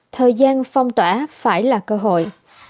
thời gian phong tỏa phải là cơ hội